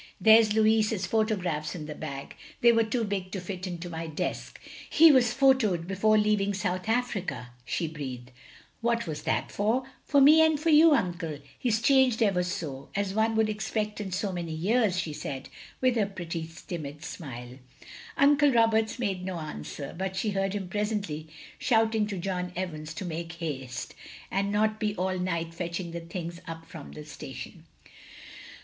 "There 's Louis's photographs in the bag; they were too big to fit into my desk. He was photoed before leaving South Africa," she breathed. "What was that for?" " For me — ^and for you, Uncle. He 's changed ever so; as one would expect in so many years, " she said, with her pretty timid smile. Uncle Roberts made no answer, but she heard him presently shouting to John Evans to make haste, and not be all night fetching the things up from the station.